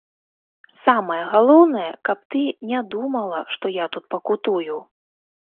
Самае галоўнае, каб ты не думала, што я тут пакутую.